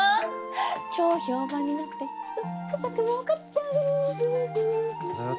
超評判になってザックザクもうかっちゃう！